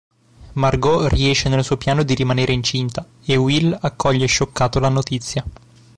Margot riesce nel suo piano di rimanere incinta e Will accoglie scioccato la notizia.